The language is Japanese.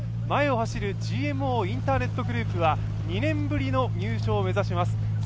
前を走るＧＭＯインターネットグループは２年ぶりの入賞を目指します。